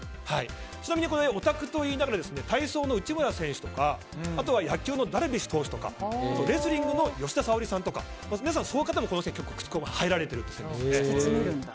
ちなみにオタクと言いながら体操の内村選手とかあとは野球のダルビッシュ投手とかレスリングの吉田沙保里さんとか皆さんそういう方も結構入られてるんですね。